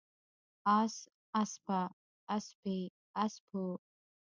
اس، اسپه، اسپې، اسپو